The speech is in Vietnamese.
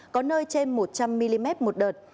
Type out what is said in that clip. có nơi trên một trăm linh mm một đợt